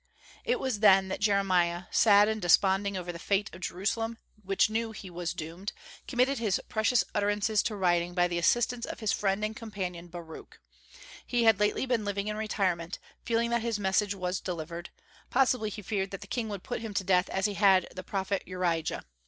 It was then that Jeremiah, sad and desponding over the fate of Jerusalem, which he knew was doomed, committed his precious utterances to writing by the assistance of his friend and companion Baruch. He had lately been living in retirement, feeling that his message was delivered; possibly he feared that the king would put him to death as he had the prophet Urijah.